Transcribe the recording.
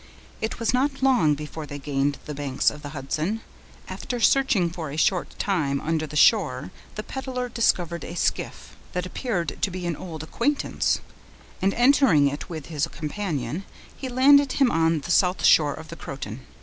It was not long before they gained the banks of the Hudson. After searching for a short time under the shore, the peddler discovered a skiff, that appeared to be an old acquaintance; and entering it with his companion he landed him on the south side of the Croton.